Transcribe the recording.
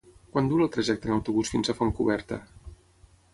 Quant dura el trajecte en autobús fins a Fontcoberta?